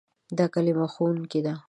دا کلمه "ښوونکی" ده.